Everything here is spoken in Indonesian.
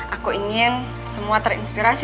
aku ingin semua terinspirasi